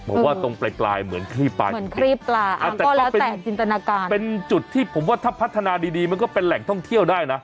ผมว่าตรงปลายเหมือนครีบปลาอย่างนี้อ่ะแต่ก็เป็นจุดที่ผมว่าถ้าพัฒนาดีมันก็เป็นแหล่งท่องเที่ยวได้นะ